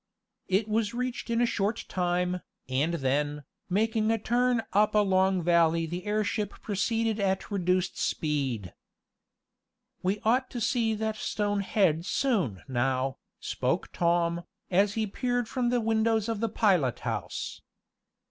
It was reached in a short time, and then, making a turn up a long valley the airship proceeded at reduced speed. "We ought to see that stone head soon now," spoke Tom, as he peered from the windows of the pilot house.